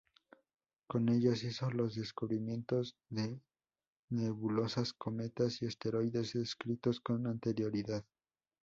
Con ellos hizo los descubrimientos de nebulosas, cometas y asteroides descritos con anterioridad.